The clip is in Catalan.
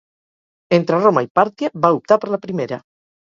Entre Roma i Pàrtia va optar per la primera.